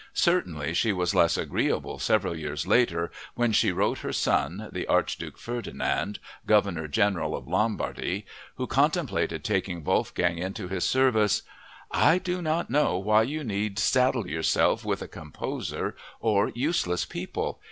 Certainly she was less agreeable several years later when she wrote her son, the archduke Ferdinand, governor general of Lombardy, who contemplated taking Wolfgang into his service: "I do not know why you need saddle yourself with a composer or useless people....